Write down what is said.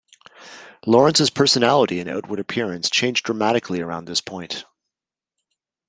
Lawrence's personality and outward appearance changed dramatically around this point.